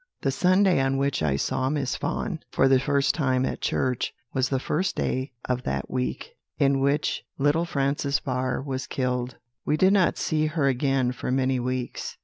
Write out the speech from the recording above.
"The Sunday on which I saw Miss Vaughan for the first time at church was the first day of that week in which little Francis Barr was killed. "We did not see her again for many weeks.